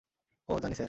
ওহ্, জানি স্যার।